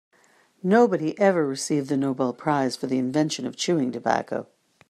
Nobody ever received the Nobel prize for the invention of chewing tobacco.